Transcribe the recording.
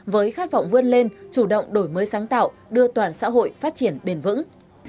với khát vọng vươn lên chủ động đổi mới sáng tạo đưa toàn xã hội phát triển bền vững